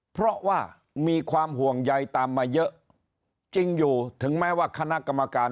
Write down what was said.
เพราะว่ามีความห่วงใยตามมาเยอะจริงอยู่ถึงแม้ว่าคณะกรรมการ